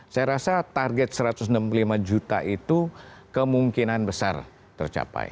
saya rasa target satu ratus enam puluh lima juta itu kemungkinan besar tercapai